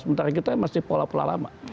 sementara kita masih pola pola lama